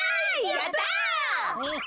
やった。